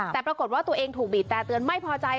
แต่ปรากฏว่าตัวเองถูกบีบแต่เตือนไม่พอใจ